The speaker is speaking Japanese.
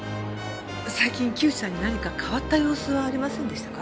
最近木内さんに何か変わった様子はありませんでしたか？